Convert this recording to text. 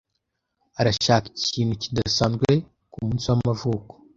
Arashaka ikintu kidasanzwe kumunsi w'amavuko.